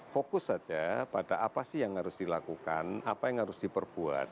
fokus saja pada apa sih yang harus dilakukan apa yang harus diperbuat